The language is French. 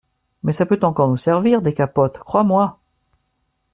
Mais ça peut encore nous servir, des capotes, crois-moi !